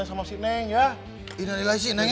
sama si neng ya inilah inilah si neng